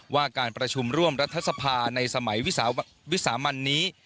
ว่าการประชุมร่วมรัฐสภาในสมัยวิสามันนี้